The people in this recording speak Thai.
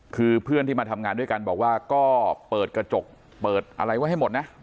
คือเพื่อนที่มาทำงานด้วยกันบอกว่าก็เปิดกระจกเปิดอะไรไว้ให้หมดนะ